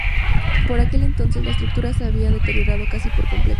Por aquel entonces, la estructura se había deteriorado casi por completo.